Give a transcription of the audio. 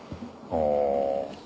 ああ。